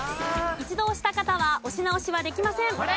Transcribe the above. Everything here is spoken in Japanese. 一度押した方は押し直しはできません。